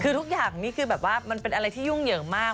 คือทุกอย่างนี้คือแบบว่ามันเป็นอะไรที่ยุ่งเหยิงมาก